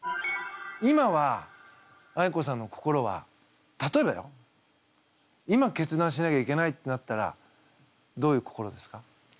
今はあいこさんの心は例えばよ今決断しなきゃいけないってなったらどういう心ですか？